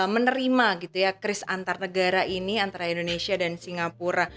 menerima gitu ya kris antar negara ini antara indonesia dan singapura